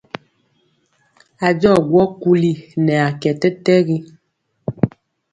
A jɔ gwɔ kuli nɛ a kɛ tɛtɛgi.